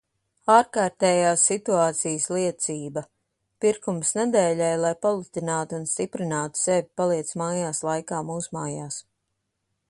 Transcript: Ārkārtējās situācijas liecība. Pirkums nedēļai, lai palutinātu un stiprinātu sevi paliec mājās laikā mūsmājās.